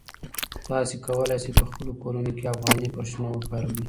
تاسي کولای شئ په خپلو کورونو کې افغاني فرشونه وکاروئ.